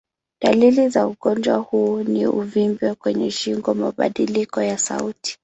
Dalili za ugonjwa huu ni uvimbe kwenye shingo, mabadiliko ya sauti.